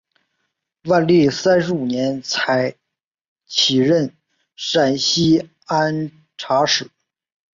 万历三十五年才起任陕西按察使。